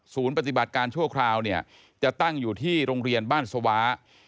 ปฏิบัติการชั่วคราวเนี่ยจะตั้งอยู่ที่โรงเรียนบ้านสวา